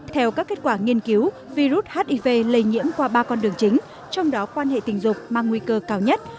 theo các kết quả nghiên cứu virus hiv lây nhiễm qua ba con đường chính trong đó quan hệ tình dục mang nguy cơ cao nhất